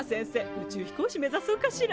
宇宙飛行士目ざそうかしら。